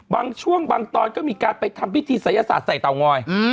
บางช่วงมีการไปทำพิธีศัยศาสตร์ใส่เตาง้อย